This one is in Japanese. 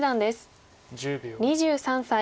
２３歳。